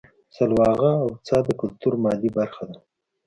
سلواغه او څا د کولتور مادي برخه ده